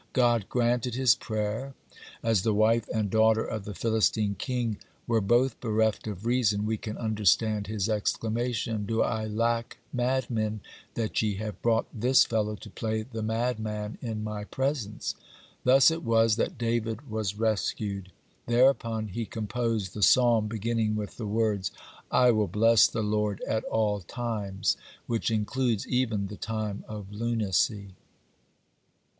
God granted his prayer. As the wife and daughter of the Philistine king were both bereft of reason, we can understand his exclamation: "Do I lack madmen, that ye have brought this fellow to play the madman in my presence?" Thus it was that David was rescued. Thereupon he composed the Psalm beginning with the words, "I will bless the Lord at all times," which includes even the time of lunacy.